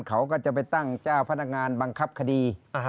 เขาก็จะไปตั้งเจ้าพนักงานบังคับคดี